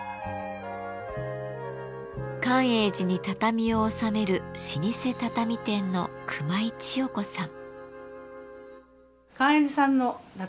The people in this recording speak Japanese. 寛永寺に畳を納める老舗畳店の熊井千代子さん。